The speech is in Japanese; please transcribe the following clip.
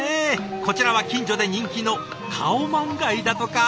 こちらは近所で人気のカオマンガイだとか。